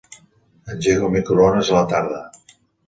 Engega el microones a la tarda.